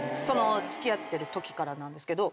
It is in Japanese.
付き合ってるときからなんですけど。